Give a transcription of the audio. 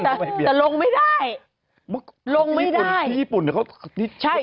คงแน่นก็ไม่เบียดแต่ลงไม่ได้ลงไม่ได้พี่ปุ่นเดี๋ยวเขาใช่